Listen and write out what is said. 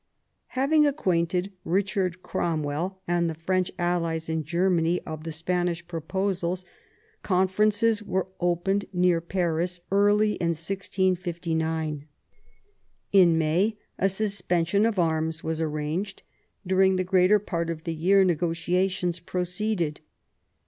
Having acquainted Richard Cromwell and the French allies in Germany of the Spanish proposals, conferences were opened near Paris early in 1659. In May a suspension of arms was arranged ; during the greater part of the year negotiations proceeded.